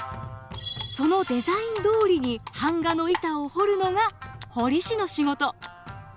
そのデザインどおりに版画の板を彫るのが彫師の仕事。